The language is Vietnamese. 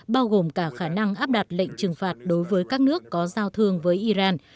bao gồm cả khả năng áp đặt lệnh trừng phạt đối với các nước có giao thương với iran